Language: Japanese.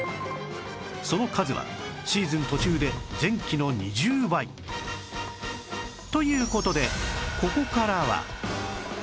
その数はシーズン途中で前期の２０倍という事でここからは